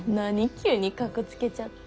急にかっこつけちゃって。